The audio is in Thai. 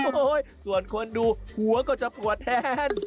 โอ้โหส่วนคนดูหัวก็จะปวดแทน